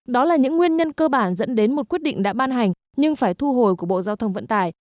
đó là những nguyên nhân cơ bản dẫn đến một quyết định đã ban hành nhưng phải thu hồi của bộ giao thông vận tải